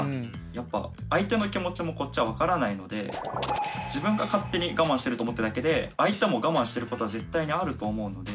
やっぱ相手の気持ちもこっちは分からないので自分が勝手に我慢してると思ってるだけで相手も我慢してることは絶対にあると思うので。